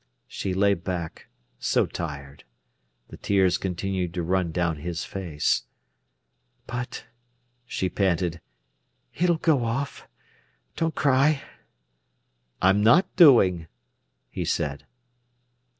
She lay back, so tired. The tears continued to run down his face. "But," she panted, "it'll go off. Don't cry!" "I'm not doing," he said.